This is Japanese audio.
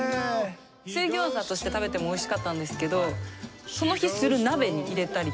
水餃子として食べてもおいしかったんですけどその日する。